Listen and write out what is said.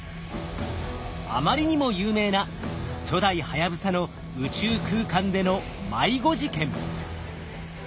あまりにも有名な初代はやぶさの宇宙空間での迷子事件。